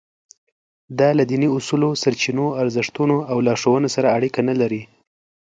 دا له دیني اصولو، سرچینو، ارزښتونو او لارښوونو سره اړیکه نه لري.